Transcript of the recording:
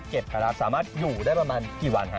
เก็บเวลาหมดหยูได้ประมาณกี่วัน